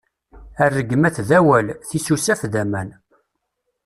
Rregmat d awal, tisusaf d aman.